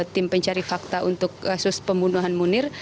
tim pencari fakta untuk kasus pembunuhan munir